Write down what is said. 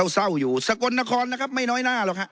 เศร้าอยู่สกลนครนะครับไม่น้อยหน้าหรอกฮะ